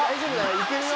いけるよ。